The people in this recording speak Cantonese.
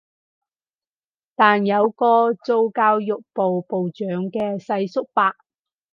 但有個做教育部部長嘅世叔伯